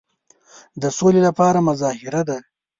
د سولي لپاره مظاهره ده.